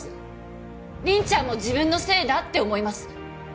凛ちゃんも自分のせいだって思います。